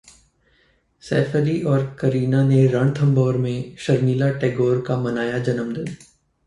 सैफ अली और करीना ने रणथम्भौर मे शर्मिला टेगोर का मनाया जन्मदिन